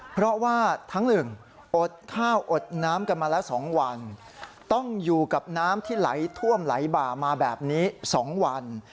เพราะว่าทั้งหนึ่งอดข้าวอดน้ำกันมาแล้ว๒วันต้องอยู่กับน้ำที่ไหลท่วมไหลบ่ามาแบบนี้๒วัน